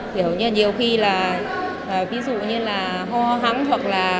kiểu như nhiều khi là ví dụ như là ho hắng hoặc là